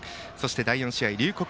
第４試合は龍谷